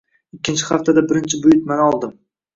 Ikkinchi haftada birinchi buyurtmani oldim.